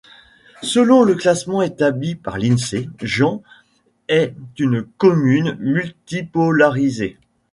Selon le classement établi par l'Insee, Jans est une commune multipolarisée.